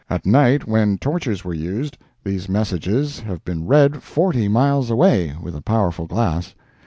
At night, when torches were used, these messages have been read forty miles away, with a powerful glass.